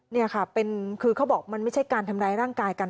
นี่ค่ะเป็นคือเขาบอกมันไม่ใช่การทำร้ายร่างกายกัน